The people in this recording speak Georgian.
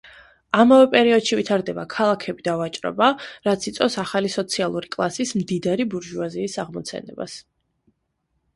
ამავე პერიოდში ვითარდება ქალაქები და ვაჭრობა, რაც იწვევს ახალი სოციალური კლასის, მდიდარი ბურჟუაზიის აღმოცენებას.